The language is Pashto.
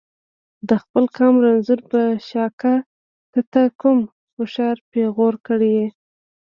د خپل قام رنځور په شاکه ته ته کوم هوښیار پیغور کړي.